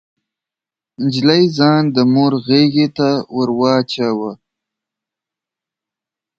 نجلۍ ځان د مور غيږې ته ور واچاوه.